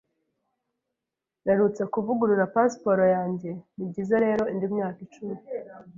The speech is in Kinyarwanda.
Mperutse kuvugurura pasiporo yanjye, nibyiza rero indi myaka icumi.